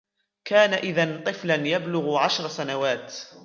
كان إذن طفل يبلغ عشرة سنوات